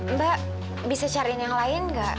mbak bisa cari yang lain gak